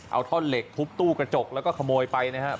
เอาท่อนเหล็กทุบตู้กระจกแล้วก็ขโมยไปนะครับ